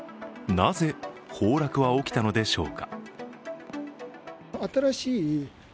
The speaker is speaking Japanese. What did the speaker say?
なぜ崩落は起きたのでしょうか。